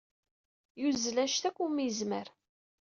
Yuzzel anect akk umi yezmer.